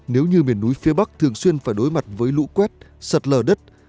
nếu như miền núi phía bắc thường xuyên phải đối mặt với lũ quét sạt lở đất